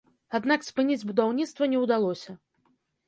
Аднак спыніць будаўніцтва не ўдалося.